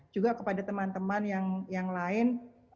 juga kepada teman teman yang lain